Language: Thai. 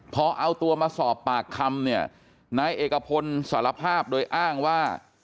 พอเอาตัวมาสอบปากคำเนี่ยนายเอกพลสารภาพโดยอ้างว่า